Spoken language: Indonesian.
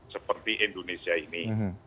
seperti indonesia ini